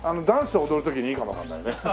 ダンス踊る時にいいかもわかんないね。